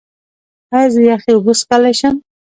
ایا زه یخې اوبه څښلی شم؟